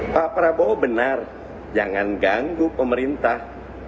pak prabowo benar jangan ganggu pemerintah